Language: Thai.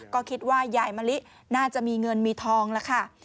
ก็คิดว่ายายมะลิน่าจะมีเงินมีทองแล้วค่ะ